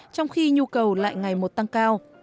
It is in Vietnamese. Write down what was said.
trong khi nhu cầu lại ngày một tăng cao